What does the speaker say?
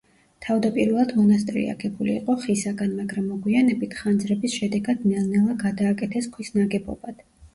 თავდაპირველად მონასტერი აგებული იყო ხისაგან, მაგრამ მოგვიანებით ხანძრების შედეგად ნელ-ნელა გადააკეთეს ქვის ნაგებობად.